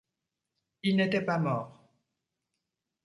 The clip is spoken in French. Il n’était pas mort.